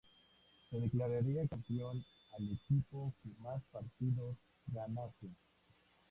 Se declararía campeón al equipo que más partidos ganase.